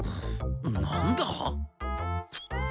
なんだあ？